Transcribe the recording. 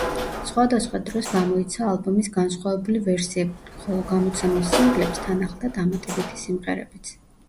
სხვადასხვა დროს გამოიცა ალბომის განსხვავებული ვერსიები, ხოლო გამოცემულ სინგლებს თან ახლდა დამატებითი სიმღერებიც.